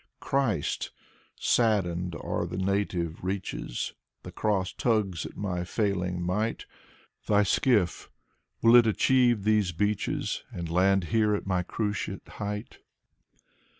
Christ! Saddened are the native reaches. The cross tugs at my failing might. Thy skiff — ^will it achieve these beaches. And land here at my cruciate height?